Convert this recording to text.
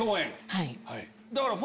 はい。